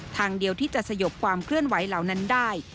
ทางเดียวที่จะสยบความเคลื่อนไหวเหล่านั้นได้